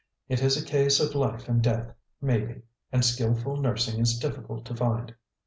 It is a case of life and death, maybe; and skilful nursing is difficult to find."